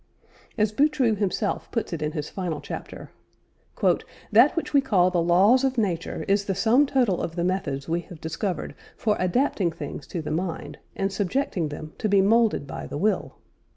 As Boutroux himself puts it in his final chapter: "That which we call the 'laws of nature' is the sum total of the methods we have discovered for adapting things to the mind, and subjecting them to be moulded by the will."